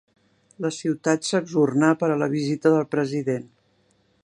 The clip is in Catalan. La ciutat s'exornà per a la visita del president.